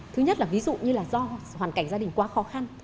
thứ nhất là ví dụ như là do hoàn cảnh gia đình quá khó khăn